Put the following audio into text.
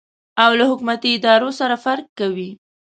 او له حکومتي ادارو سره فرق کوي.